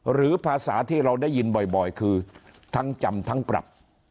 หรือภาษาที่เราได้ยินบ่อยคือทั้งจำทั้งปรับ